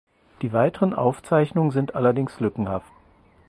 Die weiteren Aufzeichnungen sind allerdings lückenhaft.